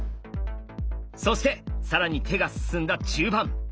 そして更に手が進んだ中盤。